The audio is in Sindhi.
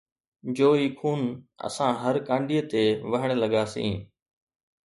جوئي خُون اسان ھر ڪانڊيءَ تي وھڻ لڳاسين